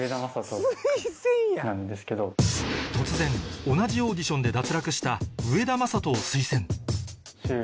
突然同じオーディションで脱落した上田将人を推薦